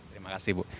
terima kasih bu